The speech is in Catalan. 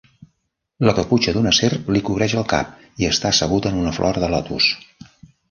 La caputxa d'una serp li cobreix el cap i està asseguda en una flor de lotus.